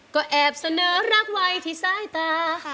ก็แอบเสนอรักไว้ที่สายตาค่ะ